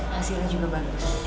hasilnya juga bagus